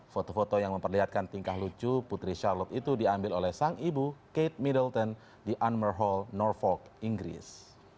foto foto yang memperlihatkan tingkah lucu putri charlot itu diambil oleh sang ibu kate middleton di unmer hall norfolk inggris